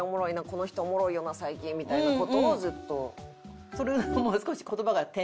「この人おもろいよな最近」みたいな事をずっと？